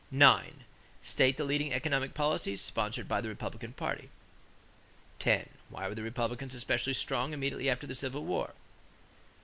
9. State the leading economic policies sponsored by the Republican party. 10. Why were the Republicans especially strong immediately after the Civil War?